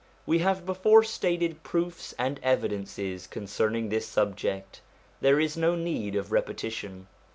We have before stated proofs and evidences concerning this subject; there is no need of repetition.